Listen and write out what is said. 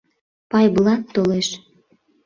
Пайблат толеш.